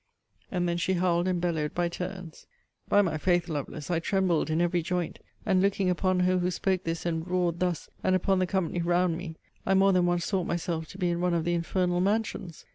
And then she howled and bellowed by turns. By my faith, Lovelace, I trembled in every joint; and looking upon her who spoke this, and roared thus, and upon the company round me, I more than once thought myself to be in one of the infernal mansions.